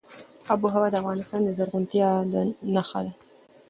آب وهوا د افغانستان د زرغونتیا نښه ده.